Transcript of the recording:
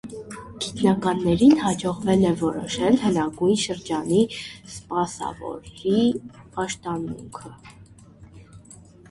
Գիտնականներին հաջողվել է որոշել հնագույն շրջանի սպասավորի պաշտամունքը։